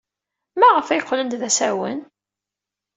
Maɣef ay qqlent d asawen?